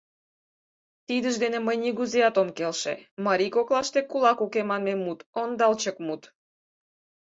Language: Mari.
Тидыж дене мый нигузеат ом келше: «Марий коклаште кулак уке» манме мут — ондалчык мут.